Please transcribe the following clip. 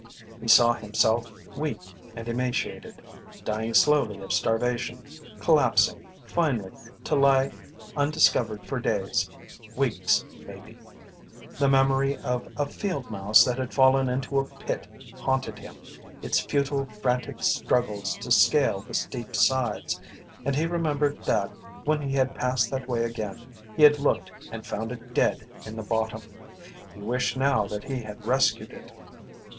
He saw himself weak and emaciated, dying slowly of starvation, collapsing, finally to lie undiscovered for days, weeks maybe. The memory of a field mouse that had fallen into a pit haunted him, its futile, frantic struggles to scale the steep sides, and he remembered that when he had passed that way again he had looked and found it dead in the bottom. He wished now that he had rescued it.